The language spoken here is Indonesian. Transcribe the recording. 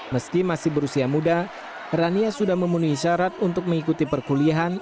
meski masih berusia muda rania sudah memenuhi syarat untuk mengikuti perkuliahan